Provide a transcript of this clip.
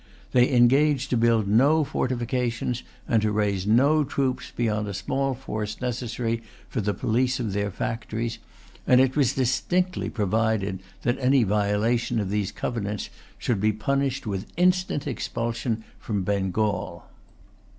They engaged to build no fortifications, and to raise no troops beyond a small force necessary for the police of their factories; and it was distinctly provided that any violation of these covenants should be punished with instant expulsion from Bengal.